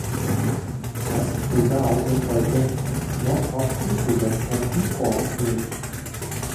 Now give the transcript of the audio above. Das Pu Dao wird heute noch auf Wushu-Wettkämpfen vorgeführt.